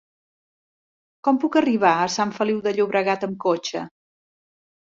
Com puc arribar a Sant Feliu de Llobregat amb cotxe?